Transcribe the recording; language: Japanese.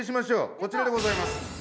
こちらでございます。